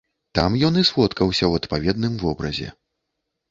Там ён і сфоткаўся ў адпаведным вобразе.